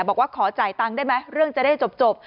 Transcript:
บอกว่าขอจ่ายตังค์ได้ไหมเรื่องจะได้จบ